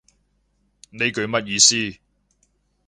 呢句乜意思